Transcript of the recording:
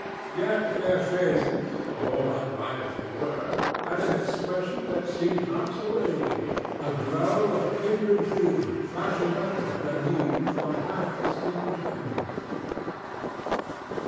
Yet their faces, all unlike as they were, had an expression that seemed not so alien—a glow of kindred feeling flashing upward anew from half extinguished embers.